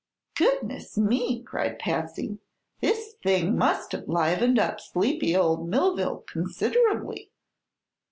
"Goodness me!" cried Patsy; "this thing must have livened up sleepy old Millville considerably."